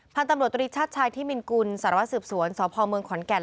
พันธุ์ตำรวจตรีชาติชายที่มินกุลสารวัสสืบสวนสพเมืองขอนแก่น